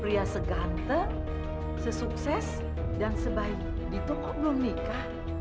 pria seganteng sesukses dan sebaik rito kok belum nikah